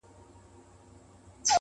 په خامه خوله وعده پخه ستایمه-